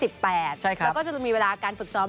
แล้วก็จะมีเวลาการฝึกซ้อม